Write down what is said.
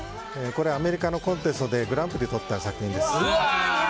これはアメリカのコンテストでグランプリをとった作品です。